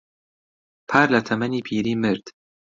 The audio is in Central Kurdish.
پار لە تەمەنی پیری مرد.